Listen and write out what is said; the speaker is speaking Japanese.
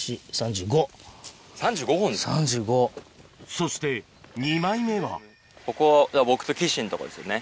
そして２枚目はここ僕と岸んとこですよね